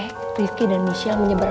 jangan sampe rifki dan michelle menyebar